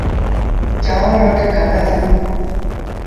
چآنور وٺي کآڌآسيٚݩ۔